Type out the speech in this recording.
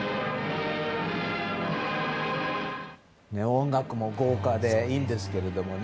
音楽も豪華でいいんですけれどもね。